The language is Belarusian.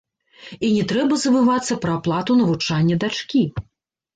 І не трэба забывацца пра аплату навучання дачкі.